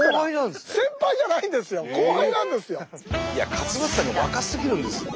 勝俣さんが若すぎるんですって。